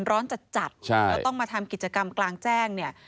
ร้อนจัดจัดแล้วต้องมาทำกิจกรรมกลางแจ้งเนี่ย